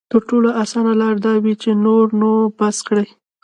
تر ټولو اسانه لاره دا وي چې نور نو بس کړي.